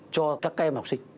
cho các em học sinh